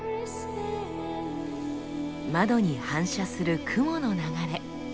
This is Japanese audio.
窓に反射する雲の流れ。